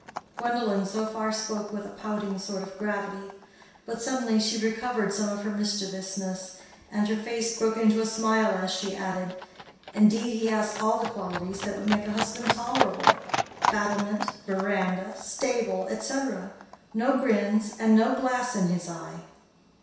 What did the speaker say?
Gwendolen so far spoke with a pouting sort of gravity; but suddenly she recovered some of her mischievousness, and her face broke into a smile as she added—"Indeed he has all the qualities that would make a husband tolerable—battlement, veranda, stable, etc., no grins and no glass in his eye."